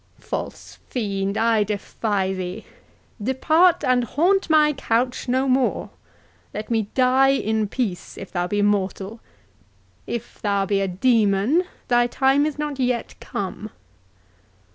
—False fiend, I defy thee! Depart, and haunt my couch no more—let me die in peace if thou be mortal—if thou be a demon, thy time is not yet come."